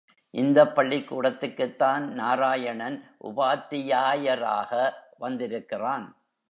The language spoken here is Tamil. இந்தப் பள்ளிக்கூடத்துக்குத்தான் நாராயணன் உபாத்தியாயராக வந்திருக்கிறான்.